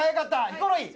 ヒコロヒー！